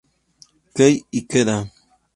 Kei Ikeda